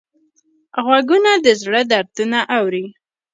غوږونه د زړه دردونه اوري